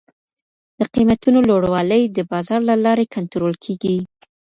د قیمتونو لوړوالی د بازار له لاري کنټرول کیږي.